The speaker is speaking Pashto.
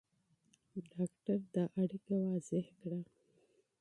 ډاکټر دا اړیکه تشریح کړه.